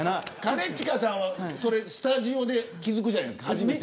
兼近さんはスタジオで気づくじゃないですか。